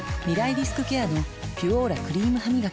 リスクケアの「ピュオーラ」クリームハミガキ